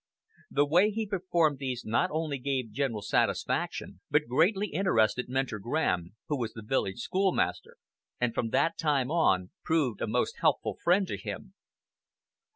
The way he performed these not only gave general satisfaction, but greatly interested Mentor Graham, who was the village schoolmaster, and from that time on proved a most helpful friend to him.